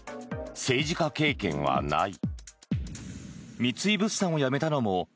政治家経験はない。